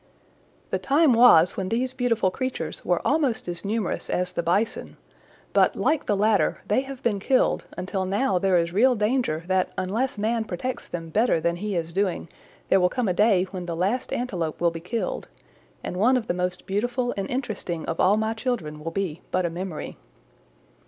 "The time was when these beautiful creatures were almost as numerous as the Bison, but like the latter they have been killed until now there is real danger that unless man protects them better than he is doing there will come a day when the last Antelope will be killed, and one of the most beautiful and interesting of all my children will be but a memory."